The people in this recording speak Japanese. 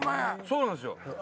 そうなんすよ。